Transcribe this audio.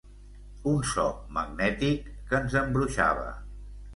Un so magnètic que ens embruixava.